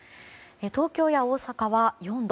東京や大阪は４度。